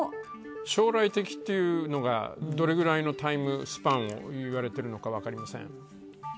将来的というのが、どれぐらいのタイム、スパンを言われてるのか分かりません。